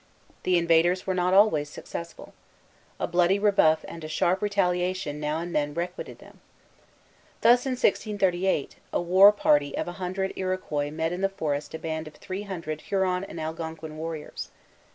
The invaders were not always successful. A bloody rebuff and a sharp retaliation now and then requited them. Thus, in 1638, a war party of a hundred Iroquois met in the forest a band of three hundred Huron and Algonquin warriors.